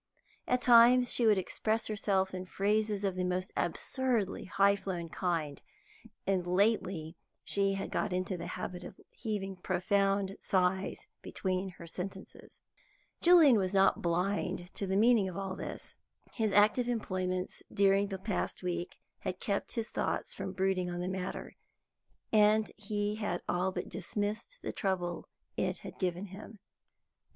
At times she would express herself in phrases of the most absurdly high flown kind, and lately she had got into the habit of heaving profound sighs between her sentences. Julian was not blind to the meaning of all this. His active employments during the past week had kept his thoughts from brooding on the matter, and he had all but dismissed the trouble it had given him.